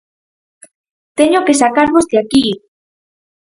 Teño que sacarvos de aquí!